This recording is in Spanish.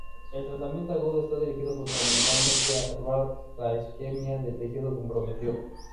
El tratamiento agudo está dirigido fundamentalmente a salvar la isquemia del tejido comprometido.